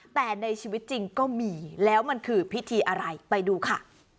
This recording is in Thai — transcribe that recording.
แต่ในชีวิตจริงก็มีแล้วมันคือพิธีอะไรไปดูค่ะ